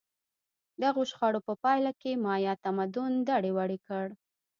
دغو شخړو په پایله کې مایا تمدن دړې وړې کړ